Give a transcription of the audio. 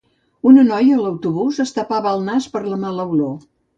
Una noia a l'autobús es tapava el nas per la mala olor